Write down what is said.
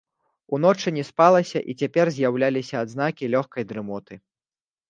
Уночы не спалася, і цяпер з'яўляліся адзнакі лёгкай дрымоты.